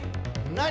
何？